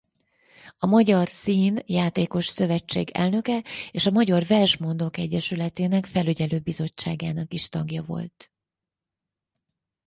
A Magyar Szín-Játékos Szövetség elnöke és a Magyar Versmondók Egyesületének felügyelő-bizottságának is tagja volt.